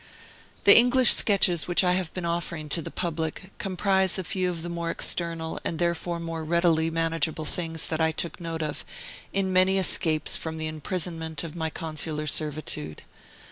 The English sketches which I have been offering to the public comprise a few of the more external and therefore more readily manageable things that I took note of, in many escapes from the imprisonment of my consular servitude.